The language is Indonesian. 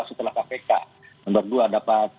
setelah kpk nomor dua dapat